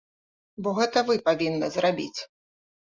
Бо гэта вы павінны зрабіць.